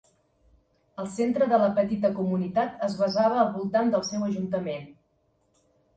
El centre de la petita comunitat es basava al voltant del seu ajuntament.